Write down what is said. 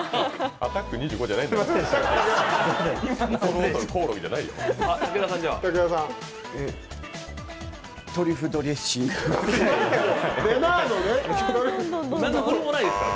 「アタック２５」じゃないんだから。